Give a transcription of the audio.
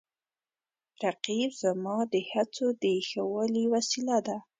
رقیب زما د هڅو د ښه والي وسیله ده